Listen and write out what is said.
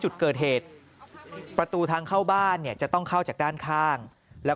จุดเกิดเหตุประตูทางเข้าบ้านเนี่ยจะต้องเข้าจากด้านข้างแล้ว